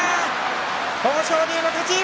豊昇龍の勝ち。